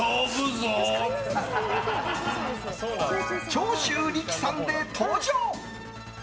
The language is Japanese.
長州力さんで登場。